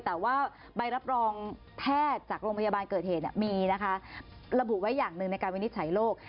แต่ว่าใบรับรองแพทย์จากโรงพยาบาลเกิดเหตุมีนะคะระบุไว้อย่างหนึ่งในการวินิจฉัยโรค